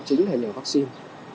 chính là nhờ vắc xin